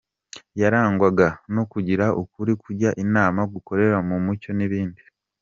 Yarangwaga no kugira ukuri, kujya inama, gukorera mu mucyo n’ibindi.